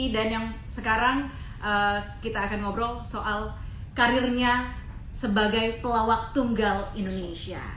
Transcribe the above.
dan yang sekarang kita akan ngobrol soal karirnya sebagai pelawak tunggal indonesia